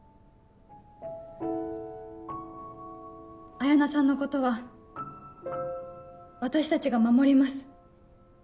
彩菜さんのことは私たちが守ります。